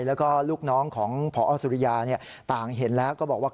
แล้วก็ลูกน้องของพอสุริยาต่างเห็นแล้วก็บอกว่า